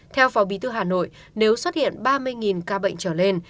theo phó bí thư hà nội nếu xuất hiện ba mươi ca bệnh trở lên